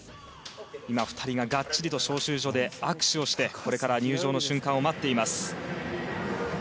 ２人ががっちりと招集所で握手をして入場の瞬間を待っています。